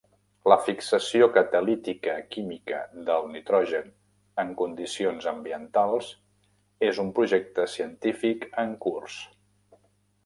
La fixació catalítica química del nitrogen en condicions ambientals és un projecte científic en curs.